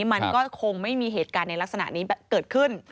มันก็คงไม่มีเหตุการณ์ในลักษณะนี้เกิดขึ้น